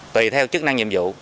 tùy theo chức năng nhiệm vụ